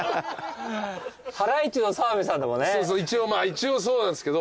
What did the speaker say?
一応そうなんすけど。